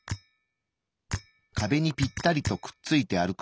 壁にぴったりとくっついて歩く